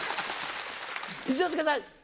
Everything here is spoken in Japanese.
一之輔さん。